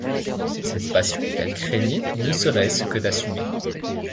Cette passion qu'elle craignait ne seraitce que d'assumer.